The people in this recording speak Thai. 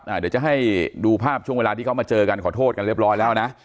เดี๋ยวจะให้ดูภาพช่วงเวลาที่เขามาเจอกันขอโทษกันเรียบร้อยแล้วนะ